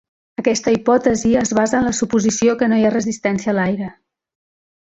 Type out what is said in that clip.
Aquesta hipòtesi es basa en la suposició que no hi ha resistència a l'aire.